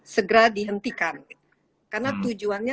segera dihentikan karena tujuannya